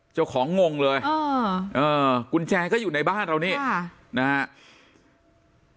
เจ้าของงงเลยเออเออกุญแจก็อยู่ในบ้านเหล่านี้นะฮะ